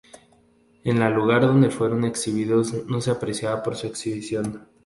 En la lugar donde fueron exhibidos no se apreciaban por su ubicación.